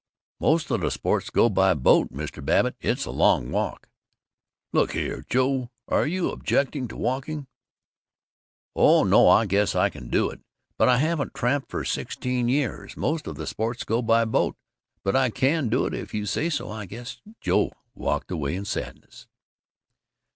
"Most of the sports go by boat, Mr. Babbitt. It's a long walk." "Look here, Joe: are you objecting to walking?" "Oh, no, I guess I can do it. But I haven't tramped that far for sixteen years. Most of the sports go by boat. But I can do it if you say so I guess." Joe walked away in sadness.